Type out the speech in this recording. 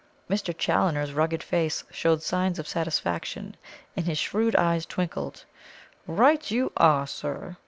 Mr. Challoner's rugged face showed signs of satisfaction, and his shrewd eyes twinkled. "Right you are, sir!"